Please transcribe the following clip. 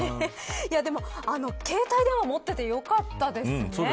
でも、携帯電話持っててよかったですね。